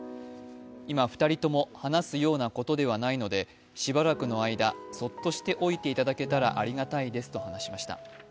今、２人とも話すようなことではないのでしばらくの間、そっとしておいていただけたらありがたいですと話しました。